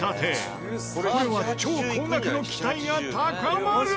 これは超高額の期待が高まる！